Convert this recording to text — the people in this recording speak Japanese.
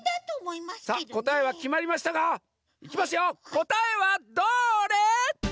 こたえはどれ？